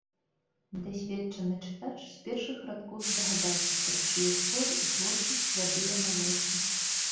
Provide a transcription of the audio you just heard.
Дасведчаны чытач з першых радкоў здагадаўся, пры чые творы і творчасць вяду я гаворку.